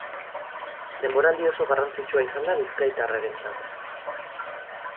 Denboraldi oso garrantzitsua izan da bizkaitarrarentzat.